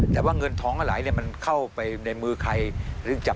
แต่ว่าเงินท้องกับหลายเข้าไปในมือใคร